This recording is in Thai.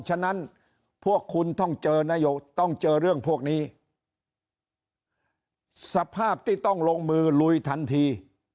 ฉะนั้นพวกคุณต้องเจอนโยต้องเจอเรื่องพวกนี้สภาพที่ต้องลงมือลุยทันที